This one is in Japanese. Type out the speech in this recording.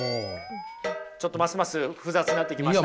ちょっとますます複雑になってきました？